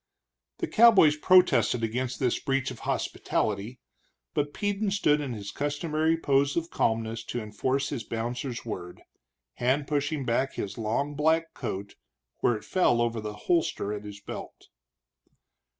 The cowboys protested against this breach of hospitality, but Peden stood in his customary pose of calmness to enforce his bouncer's word, hand pushing back his long black coat where it fell over the holster at his belt.